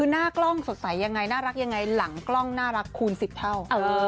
หน้ากล้องสดใสยังไงรักยังไงหลังกล้องขูล๑๐เท่า